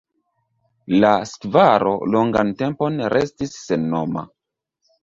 La skvaro longan tempon restis sennoma.